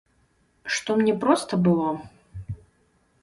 Што мне проста было?